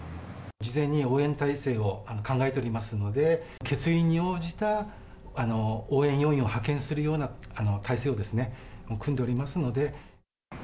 事前に応援態勢を考えておりますので、欠員に応じた応援要員を派遣するような態勢を組んでおりますので。